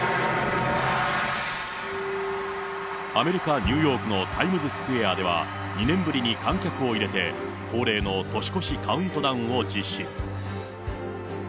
アメリカ・ニューヨークのタイムズ・スクエアでは、２年ぶりに観客を入れて、恒例の年越しカウントダウンを実施。